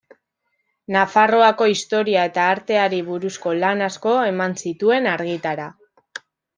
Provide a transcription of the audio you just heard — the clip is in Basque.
Nafarroako historia eta arteari buruzko lan asko eman zituen argitara.